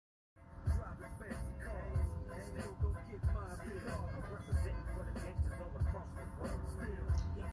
ثانیہ مرزا اور اظہر محمود کے درمیان دلچسپ نوک جھونک